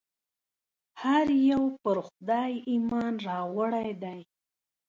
هر یو پر خدای ایمان راوړی دی.